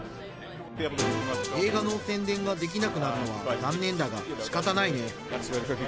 映画の宣伝ができなくなるのは残念だがしかたないね。